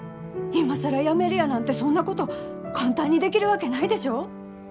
今更辞めるやなんてそんなこと簡単にできるわけないでしょう？